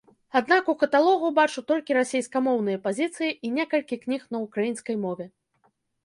Аднак у каталогу бачу толькі расейскамоўныя пазіцыі і некалькі кніг на ўкраінскай мове.